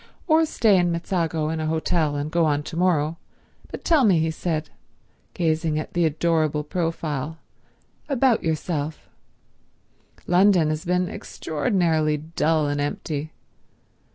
"Or stay in Mezzago in an hotel and go on to morrow. But tell me," he said, gazing at the adorable profile, "about yourself. London has been extraordinarily dull and empty.